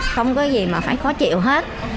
không có gì mà phải khó chịu hết